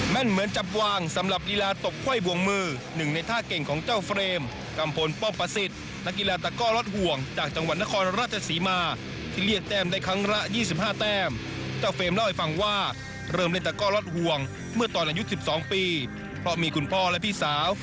เหมือนจับวางสำหรับลีลาตกไขว้วงมือหนึ่งในท่าเก่งของเจ้าเฟรมกัมพลป้อมประสิทธิ์นักกีฬาตะก้อล็อตห่วงจากจังหวัดนครราชศรีมาที่เรียกแต้มได้ครั้งละ๒๕แต้มเจ้าเฟรมเล่าให้ฟังว่าเริ่มเล่นตะก้อล็อตห่วงเมื่อตอนอายุ๑๒ปีเพราะมีคุณพ่อและพี่สาว